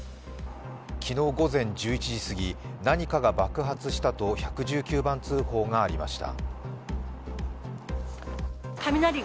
昨日午前１１時すぎ、何かが爆発したと１１９番通報がありました。